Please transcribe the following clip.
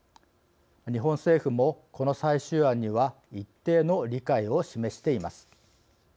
日本政府もこの最終案には一定の理解を示しています。